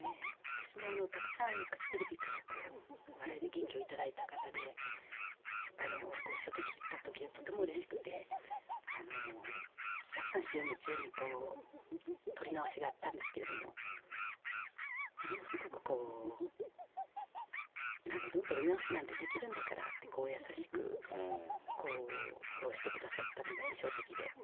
私もたくさんテレビから、笑いで元気を頂いた方で、ご一緒できたときはとてもうれしくて、たくさんＣＭ中に、こう、撮り直しがあったんですけれども、ものすごくこう、何度でも撮り直しなんてできるんだからって、こう優しくフォローしてくださったのが印象的で。